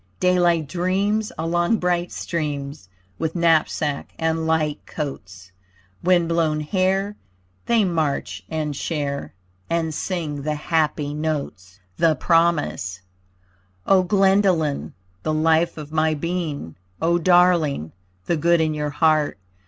Daylight dreams Along bright streams With knapsack and light coats. Wind blown hair, They march and share And sing the happy notes. THE PROMISE O Glendolyn, the life of my being, O Darling, the good in your heart!